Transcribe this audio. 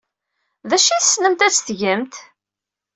D acu ay tessnemt ad t-tgemt?